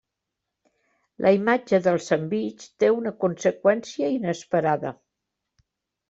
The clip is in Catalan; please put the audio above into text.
La imatge del sandvitx té una conseqüència inesperada.